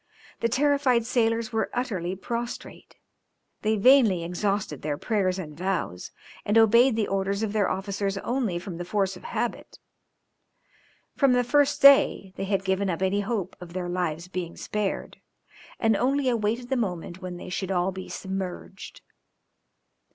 The terrified sailors were utterly prostrate; they vainly exhausted their prayers and vows, and obeyed the orders of their officers only from the force of habit; from the first day they had given up any hope of their lives being spared, and only awaited the moment when they should all be submerged.